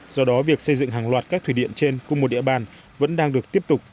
do đó việc xây dựng hàng loạt các thủy điện trên cùng một địa bàn vẫn đang được tiếp tục